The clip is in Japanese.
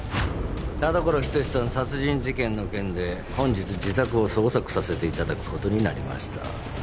田所仁志さん殺人事件の件で本日自宅を捜索させていただくことになりました